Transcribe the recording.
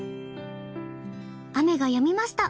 雨がやみました。